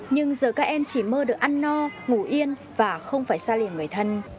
nhưng giờ các em chỉ mơ được ăn no ngủ yên và không phải xa liền người thân